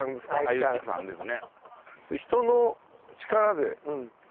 あゆきさんですね。